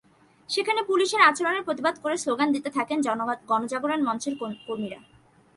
সেখানে পুলিশের আচরণের প্রতিবাদ করে স্লোগান দিতে থাকেন গণজাগরণ মঞ্চের কর্মীরা।